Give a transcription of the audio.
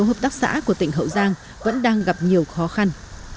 hợp tác xã của tỉnh hậu giang vẫn đang gặp nhiều khó khăn